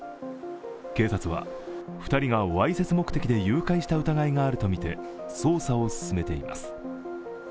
警察は、２人がわいせつ目的で誘拐した疑いがあるとみて捜査を進めています。